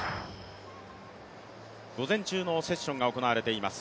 午前中のセッションが行われています